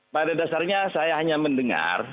pada dasarnya saya hanya mendengar